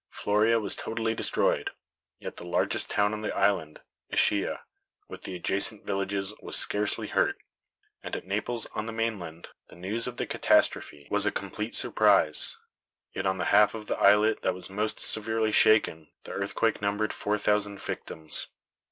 Floria was totally destroyed. Yet the largest town on the island, Ischia, with the adjacent villages, was scarcely hurt; and at Naples, on the mainland, the news of the catastrophe was a complete surprise. Yet on the half of the islet that was most severely shaken the earthquake numbered four thousand victims.